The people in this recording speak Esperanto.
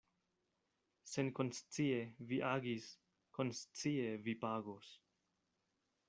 Senkonscie vi agis, konscie vi pagos.